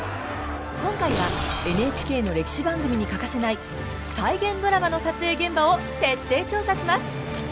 今回はＮＨＫの歴史番組に欠かせない再現ドラマの撮影現場を徹底調査します！